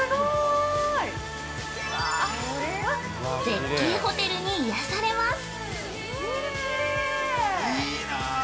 絶景ホテルに癒やされます。